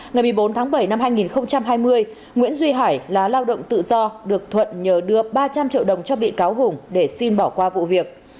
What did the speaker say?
ngày một mươi bốn tháng bảy năm hai nghìn hai mươi nguyễn duy hải lá lao động tự do được thuận nhờ đưa ba trăm linh triệu đồng cho bị cáo hùng để xin bỏ qua vụ việc